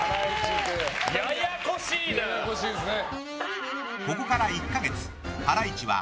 ややこしいですね。